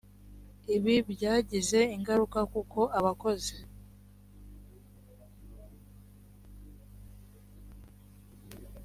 ibi byagize ingaruka kuko abakozi